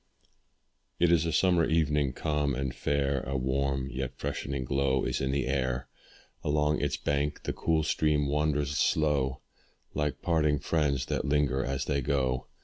It is a summer evening, calm and fair, A warm, yet freshening glow is in the air; Along its bank, the cool stream wanders slow, Like parting friends that linger as they go.